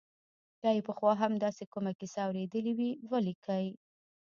که یې پخوا هم داسې کومه کیسه اورېدلې وي ولیکي.